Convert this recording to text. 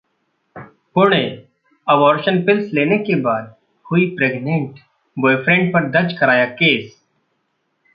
Pune abortion pills लेने के बाद हुई प्रेग्नेंट, बॉयफ्रेंड पर दर्ज कराया केस